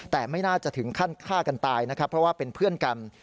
แต่ไม่น่าจะถึงขั้นฆ่ากันตายนะครับเพราะว่าเป็นเพื่อนกัน